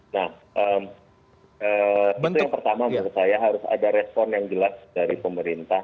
nah itu yang pertama menurut saya harus ada respon yang jelas dari pemerintah